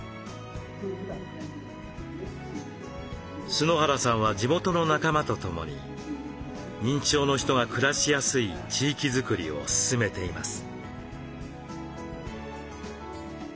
春原さんは地元の仲間とともに認知症の人が暮らしやすい地域づくりを進めています。